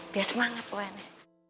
biar semangat un nya